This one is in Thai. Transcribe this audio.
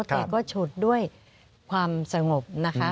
แต่ก็ฉุดด้วยความสงบนะคะ